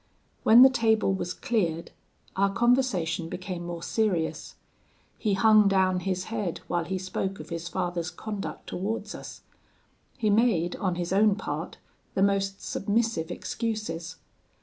"When the table was cleared, our conversation became more serious. He hung down his head while he spoke of his father's conduct towards us. He made, on his own part, the most submissive excuses.